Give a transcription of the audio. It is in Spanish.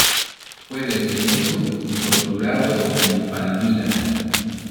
Fue detenido y torturado en Palmira.